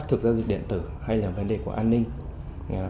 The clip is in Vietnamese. trong luật hiện nay tôi có thể đơn cử ví dụ như là